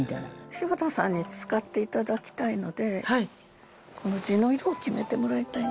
柴田さんに使っていただきたいのでこの地の色を決めてもらいたいんですよ。